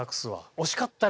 惜しかったね